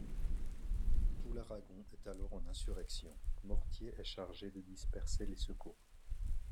Tout l'Aragon est alors en insurrection, Mortier est chargé de disperser les secours.